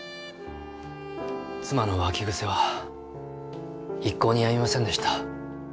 妻の浮気癖は一向にやみませんでした。